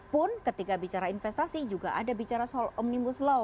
pun ketika bicara investasi juga ada bicara soal omnibus law